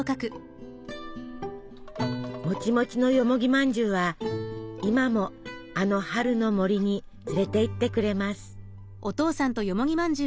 もちもちのよもぎまんじゅうは今もあの春の森に連れていってくれます。